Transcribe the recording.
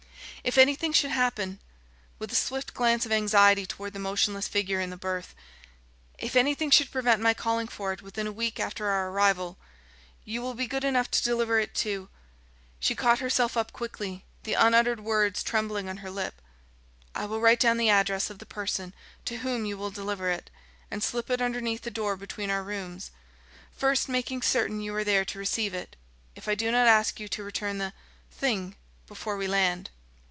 "If anything should happen" with a swift glance of anxiety toward the motionless figure in the berth "if anything should prevent my calling for it within a week after our arrival, you will be good enough to deliver it to " She caught herself up quickly, the unuttered words trembling on her lip. "I will write down the address of the person to whom you will deliver it, and slip it underneath the door between our rooms first making certain you are there to receive it if I do not ask you to return the thing before we land."